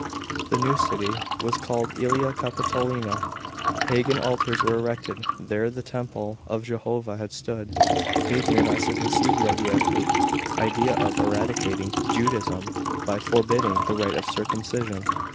The new city was called ^Elia Capitolina; pagan altars were erected where the temple of Jehovah had stood. Hadrian also conceived the idea of eradicating Judaism by forbidding the rite of circumcision.